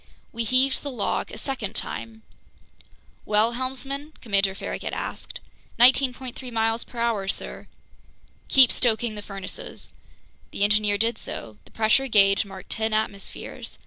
We heaved the log a second time. "Well, helmsman?" Commander Farragut asked. "19.3 miles per hour, sir." "Keep stoking the furnaces." The engineer did so. The pressure gauge marked ten atmospheres.